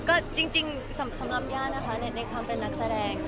ก็จริงสำหรับย่านะคะในความเป็นนักแสดง